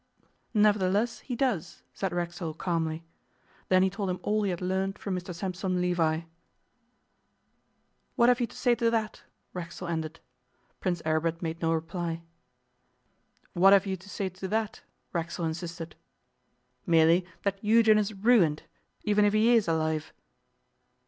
'Nevertheless, he does,' said Racksole calmly. Then he told him all he had learnt from Mr Sampson Levi. 'What have you to say to that?' Racksole ended. Prince Aribert made no reply. 'What have you to say to that?' Racksole insisted. 'Merely that Eugen is ruined, even if he is alive.